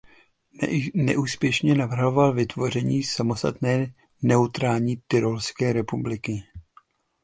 Neúspěšně navrhoval vytvoření samostatné neutrální Tyrolské republiky.